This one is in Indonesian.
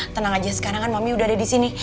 tenang aja sekarang kan mami udah ada disini